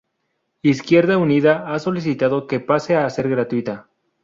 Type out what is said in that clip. Izquierda Unida ha solicitado que pase a ser gratuita.